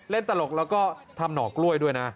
เล่นตลกและก็ทำหนอกล้วยด้วยนะ